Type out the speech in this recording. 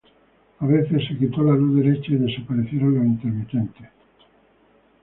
A veces se quitó la luz derecha, y desaparecieron los intermitentes.